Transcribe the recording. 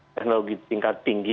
teknologi tingkat tinggi